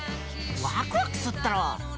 ワクワクすっだろ？